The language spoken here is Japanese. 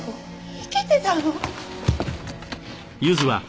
生きてたの？